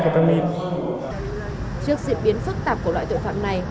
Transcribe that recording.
trước diễn biến phức tạp của loại tội phạm này